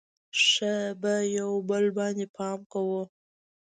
ښه به یو بل باندې پام کوو.